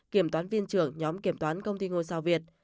kiểm toán viên trưởng nhóm kiểm toán công ty ngôi sao việt